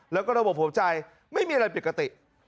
แล้วก็ระบบหัวใจไม่มีอะไรปกติ